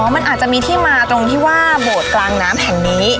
มันอาจจะมีที่มาตรงที่ว่าโบสถ์กลางน้ำแห่งนี้